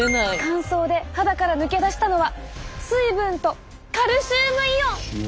乾燥で肌から抜け出したのは水分とカルシウムイオン！